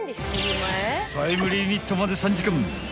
［タイムリミットまで３時間］